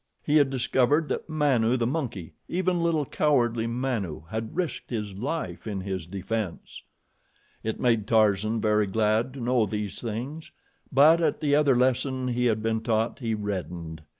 He had discovered that Manu, the monkey even little, cowardly Manu had risked his life in his defense. It made Tarzan very glad to know these things; but at the other lesson he had been taught he reddened.